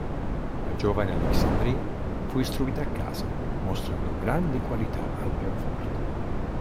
La giovane Alexandrine fu istruita a casa mostrando grandi qualità al pianoforte.